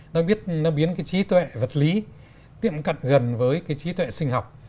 nó biến trí tuệ vật lý tiện cận gần với trí tuệ sinh học